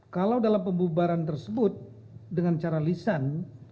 kalau dalam pembubaran tersebut dengan cara lisan